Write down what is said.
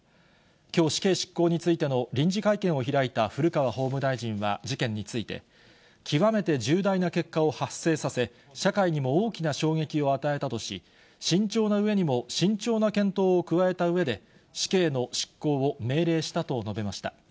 きょう、死刑執行についての臨時会見を開いた古川法務大臣は、事件について、極めて重大な結果を発生させ、社会にも大きな衝撃を与えたとし、慎重なうえにも慎重な検討を加えたうえで、死刑の執行を命令したと述べました。